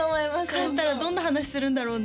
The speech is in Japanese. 帰ったらどんな話するんだろうね